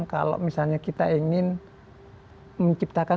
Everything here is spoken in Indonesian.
kalau misalnya kita ingin menciptakan